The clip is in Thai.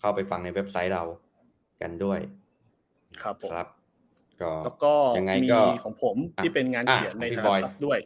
เข้าไปฟังในเว็บไซต์เรากันด้วยครับก็ก็น่าจะของผมเป็นการเดียวด้วย